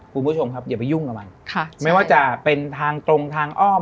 คุณผู้ชมครับอย่าไปยุ่งกับมันค่ะไม่ว่าจะเป็นทางตรงทางอ้อม